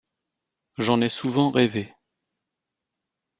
J’en ai souvent rêvé.